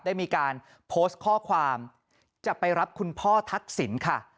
ได้มีการโพสต์ข้อความจะไปรับคุณพ่อทักษิณค่ะ